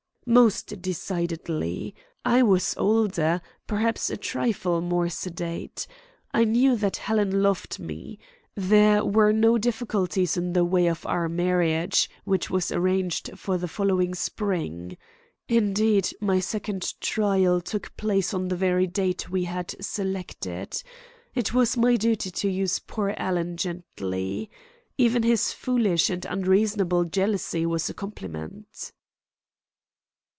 "Most decidedly. I was older, perhaps a trifle more sedate. I knew that Helen loved me. There were no difficulties in the way of our marriage, which was arranged for the following spring. Indeed, my second trial took place on the very date we had selected. It was my duty to use poor Alan gently. Even his foolish and unreasonable jealousy was a compliment."